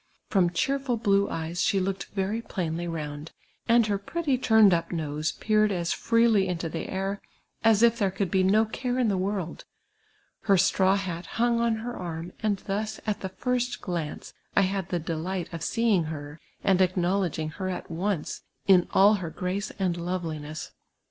From cheerful blue eyes she looked very ])lainly round, and her pretty turned up nose peered as fieely into the air as if there could be no care in the world ; her straw hat hung on her arm, and thus, at the first glance, I had the delight of see ing her, and acknowledging her at once in all her grace and loveliness.